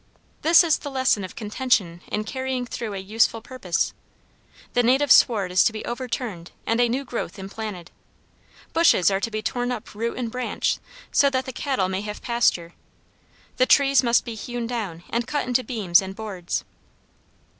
This is the lesson of contention in carrying through a useful purpose. The native sward is to be overturned and a new growth implanted; bushes are to be torn up root and branch so that the cattle may have pasture; the trees must be hewn down and cut into beams and boards.